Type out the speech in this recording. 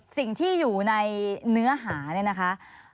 สิ่งที่อยู่ในเนื้อหาเนี่ยนะคะ